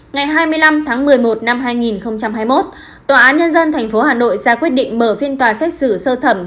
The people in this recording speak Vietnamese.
ngày hai mươi năm tháng một mươi một năm hai nghìn hai mươi một tòa án nhân dân tp hà nội ra quyết định mở phiên tòa xét xử sơ thẩm